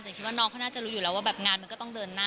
คิดว่าน้องเขาน่าจะรู้อยู่แล้วว่าแบบงานมันก็ต้องเดินหน้า